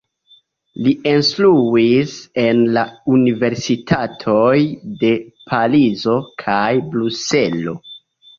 Li instruis en la universitatoj de Parizo kaj Bruselo.